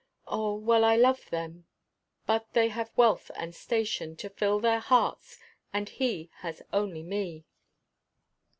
Oh! well I love them but they have wealth and station To fill their hearts, and he has only me.